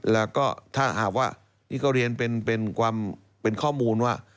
แล้วก็ถ้าหากว่านี่ก็เรียนเป็นข้อมูลว่า